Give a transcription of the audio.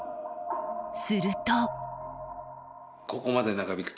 すると